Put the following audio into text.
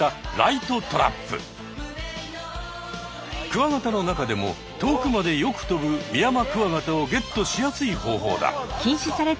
クワガタの中でも遠くまでよく飛ぶミヤマクワガタをゲットしやすい方法だ。